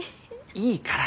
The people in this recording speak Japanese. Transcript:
いいから。